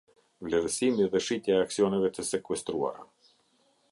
Vlerësimi dhe shitja e aksioneve të sekuestruara.